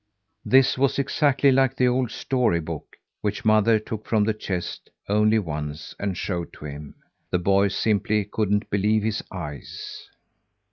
This was exactly like the old story book which mother took from the chest only once and showed to him. The boy simply couldn't believe his eyes.